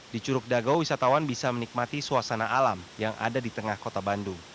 di curug dago wisatawan bisa menikmati suasana alam yang ada di tengah kota bandung